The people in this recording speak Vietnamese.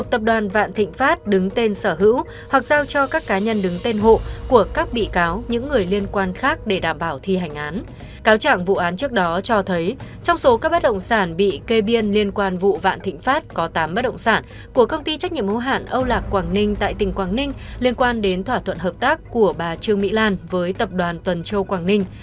công ty trách nhiệm mô hạn âu lạc quảng ninh tại tỉnh quảng ninh liên quan đến thỏa thuận hợp tác của bà trương mỹ lan với tập đoàn tuần châu quảng ninh